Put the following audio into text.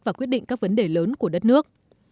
và quyết định các vấn đề lớn của đất nước